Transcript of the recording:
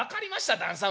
旦さん